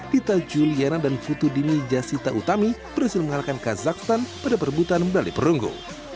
dita juliana dan putudini jasita utami berhasil mengalahkan kazakhstan pada perebutan medali perunggu